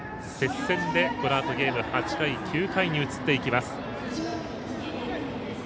接戦でこのあとゲーム８回、９回に移っていきます。